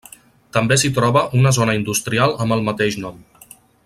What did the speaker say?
També s'hi troba una zona industrial amb el mateix nom.